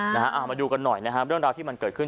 เอ้าเอามาดูกันหน่อยนะครับด้านราวที่มันเกิดขึ้น